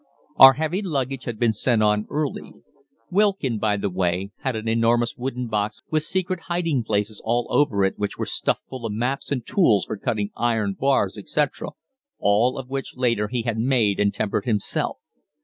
Our heavy luggage had been sent on early. Wilkin, by the way, had an enormous wooden box with secret hiding places all over it which were stuffed full of maps and tools for cutting iron bars, etc., all of which latter he had made and tempered himself.